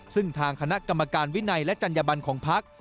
ซึ่งทางคณะกรรมการวินัยและจัญญบันของพัก